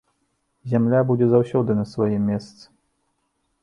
Зямля будзе заўсёды на сваім месцы.